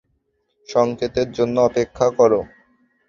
সংকেতের জন্য অপেক্ষা কর!